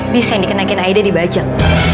bis yang dikenakin aida dibajak